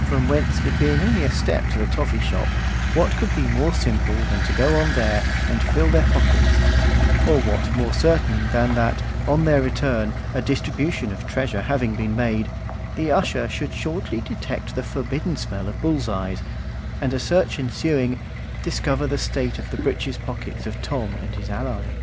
From whence it being only a step to the toffy shop, what could be more simple than to go on there and fill their pockets; or what more certain than that on their return, a distribution of treasure having been made, the usher should shortly detect the forbidden smell of bull's eyes, and, a search ensuing, discover the state of the breeches pockets of Tom and his ally?